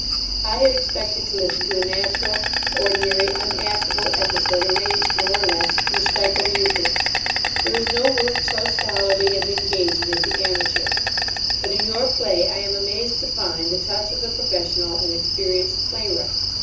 I had expected to listen to a natural, ordinary, unactable episode arranged more or less in steichomuthics. There is no work so scholarly and engaging as the amateur's. But in your play I am amazed to find the touch of the professional and experienced playwright.